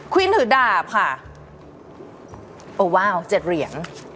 วินถือดาบค่ะโอ้ว้าว๗เหรียญ